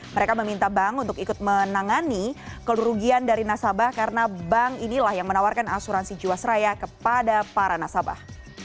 mereka meminta bank untuk ikut menangani kerugian dari nasabah karena bank inilah yang menawarkan asuransi jiwasraya kepada para nasabah